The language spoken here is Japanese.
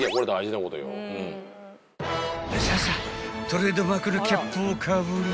トレードマークのキャップをかぶり］